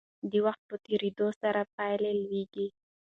د وخت په تیریدو سره پایلې لویېږي.